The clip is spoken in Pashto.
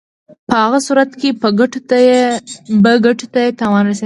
په هغه صورت کې به ګټو ته یې تاوان رسېدلی.